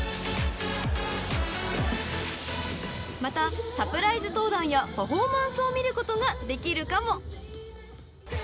［またサプライズ登壇やパフォーマンスを見ることができるかも］